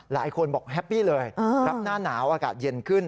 หลายคนบอกแฮปปี้เลยรับหน้าหนาวอากาศเย็นขึ้น